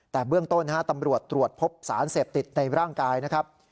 แต่เบื้องต้นตำรวจตรวจพบสารเสพติดในร่างกายนะครับ